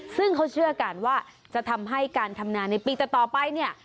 ซึ่งเขาเชื่อกันว่าจะทำให้การทำงานในปีต่อไปเนี่ย